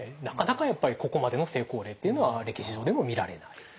なかなかやっぱりここまでの成功例っていうのは歴史上でも見られない。